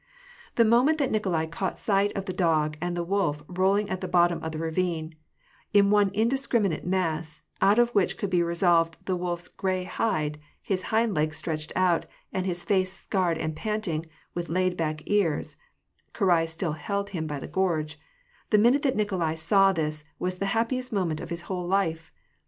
The moment that Nikolai caught sight of the dog and the wolf rolling at the bottom of the ravine, in one indiscriminate mass, out of which could be resolved the wolf's gray hide, his hind leg stretched out, and his face scared, and panting, with laid back ears (Karai still held him by the gorge), — the minute that Nikolai saw this was the happiest moment of his whole life.